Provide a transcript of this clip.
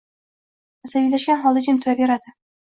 asabiylashgan holda jim turaveradi.